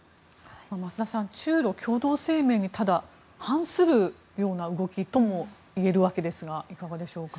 増田さん、ただ中ロ共同声明に反するような動きともいえるわけですがいかがでしょうか。